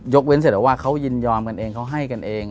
เว้นเสร็จแต่ว่าเขายินยอมกันเองเขาให้กันเอง